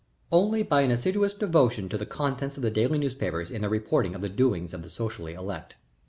Only by an assiduous devotion to the contents of the daily newspapers in their reports of the doings of the socially elect.